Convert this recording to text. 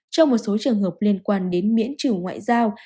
trong một số trường hợp liên quan đến miễn trừ ngoại giao